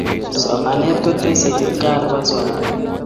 somanet kotesei kipkaa nepo somanet